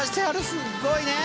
すっごいね！